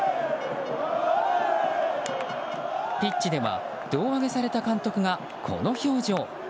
ピッチでは胴上げされた監督がこの表情。